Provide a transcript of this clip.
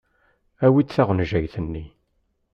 Awi-d taɣenjayt-nni.